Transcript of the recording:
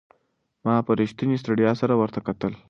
ما په رښتینې ستړیا سره ورته وکتل.